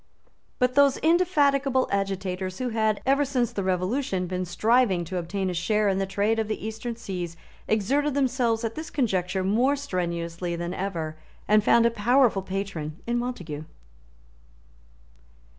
But those indefatigable agitators who had, ever since the Revolution, been striving to obtain a share in the trade of the Eastern seas exerted themselves at this conjuncture more strenuously than ever, and found a powerful patron in Montague.